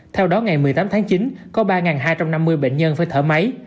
theo đó ngày một mươi tám tháng chín có ba hai trăm năm mươi bệnh nhân phải thở máy